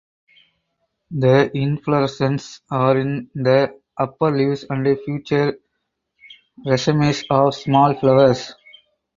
The inflorescences are in the upper leaves and feature racemes of small flowers.